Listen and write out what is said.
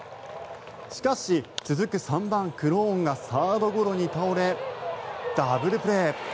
しかし、続く３番、クローンがサードゴロに倒れダブルプレー。